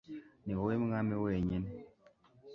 ni wowe mwami wenyine